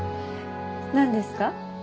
何ですか？